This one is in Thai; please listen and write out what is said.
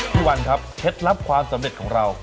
วันครับเคล็ดลับความสำเร็จของเรา